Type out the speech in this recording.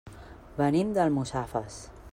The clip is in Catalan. Venim d'Almussafes.